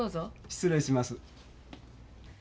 失礼します。